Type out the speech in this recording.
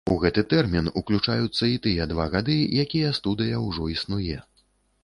У гэты тэрмін уключаюцца і тыя два гады, якія студыя ўжо існуе.